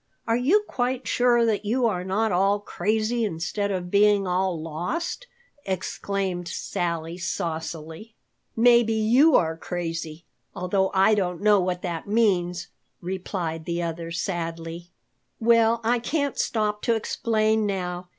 Are you quite sure that you are not all crazy instead of being all lost?" exclaimed Sally saucily. "Maybe you are crazy, although I don't know what that means," replied the other sadly. "Well, I can't stop to explain now.